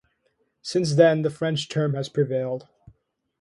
Since then the French term has prevailed.